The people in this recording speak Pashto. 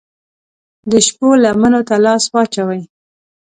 د شپو لمنو ته لاس واچوي